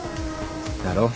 だろ？